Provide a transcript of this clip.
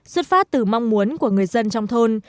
xuất phát từ mong muốn của người dân trong thôn